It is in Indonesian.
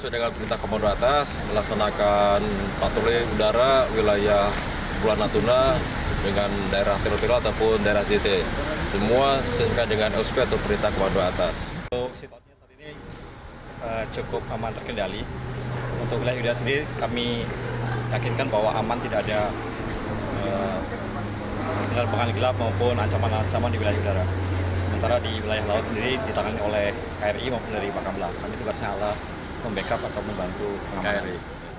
di wilayah laut sendiri ditangani oleh nkri dan pakam blah kami juga senanglah membackup atau membantu nkri